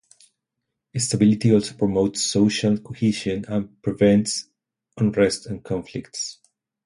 Stability also promotes social cohesion and prevents unrest and conflicts.